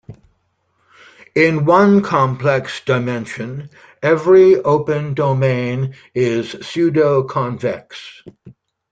In one complex dimension, every open domain is pseudoconvex.